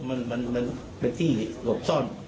มันเป็นที่หลบซ่อน